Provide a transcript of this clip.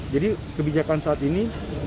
jadi kebijakan saat ini